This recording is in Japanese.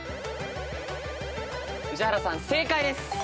宇治原さん正解です。